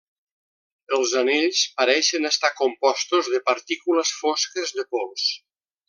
Els anells pareixen estar compostos de partícules fosques de pols.